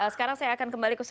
sekarang saya akan kembali ke